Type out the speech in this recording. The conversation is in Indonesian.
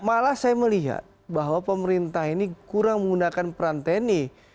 malah saya melihat bahwa pemerintah ini kurang menggunakan peran tni